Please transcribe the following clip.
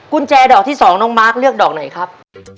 กุญแจดอกที่๒น้องมาร์คเลือกดอกไหนครับ